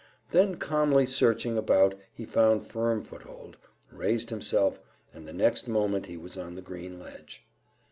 Then calmly searching about he found firm foothold, raised himself, and the next moment he was on the green ledge.